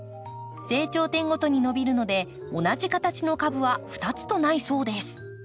成長点ごとに伸びるので同じ形の株は二つとないそうです。